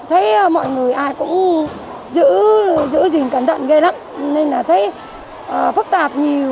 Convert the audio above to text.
thấy mọi người ai cũng giữ gìn cẩn thận gây lắm nên là thấy phức tạp nhiều